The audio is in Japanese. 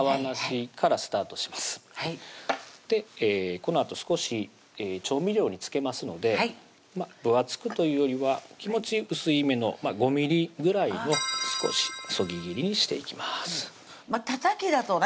このあと少し調味料に漬けますので分厚くというよりは気持ち薄いめの５ｍｍぐらいの少し削ぎ切りにしていきますたたきだとね